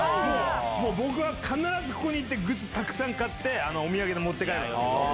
僕は必ずここに行ってグッズたくさん買ってお土産で持って帰るんです。